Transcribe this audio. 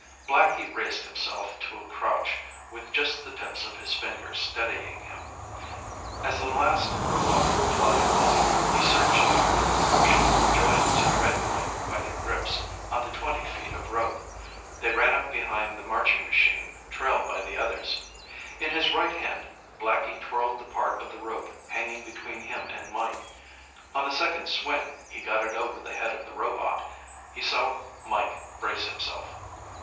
Blackie raised himself to a crouch with just the tips of his fingers steadying him. As the last robot plodded by, he surged out of the brush, joined to Red Mike by their grips on the twenty feet of rope. They ran up behind the marching machine, trailed by the others. In his right hand, Blackie twirled the part of the rope hanging between him and Mike. On the second swing, he got it over the head of the robot. He saw Mike brace himself.